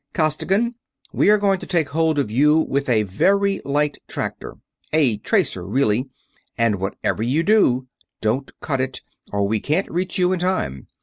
"Costigan! We are going to take hold of you with a very light tractor a tracer, really and whatever you do, DON'T CUT IT, or we can't reach you in time.